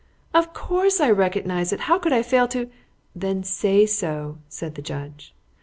"Of course I recognise it. How could I fail to " "Then say so," said the judge.